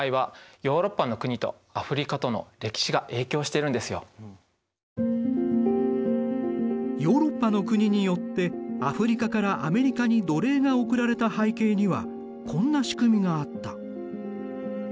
ヨーロッパの国によってアフリカからアメリカに奴隷が送られた背景にはこんな仕組みがあった。